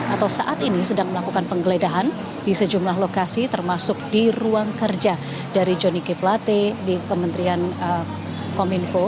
atau saat ini sedang melakukan penggeledahan di sejumlah lokasi termasuk di ruang kerja dari johnny g plate di kementerian kominfo